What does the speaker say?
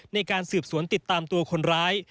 ในการสืบสวนติดตามตัวคนร้าย